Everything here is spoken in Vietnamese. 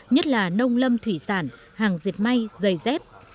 nhất là nông lâm thủy sản hàng diệt may giày dép